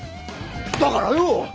だからよ！